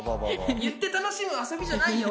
言って楽しむ遊びじゃないよ。